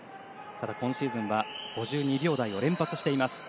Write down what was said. ただ、今シーズンは５２秒台を連発しています。